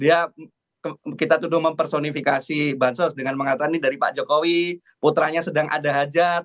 ya kita tuduh mempersonifikasi bansos dengan mengatakan ini dari pak jokowi putranya sedang ada hajat